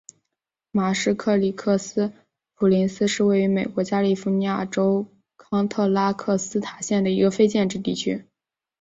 马什克里克斯普林斯是位于美国加利福尼亚州康特拉科斯塔县的一个非建制地区。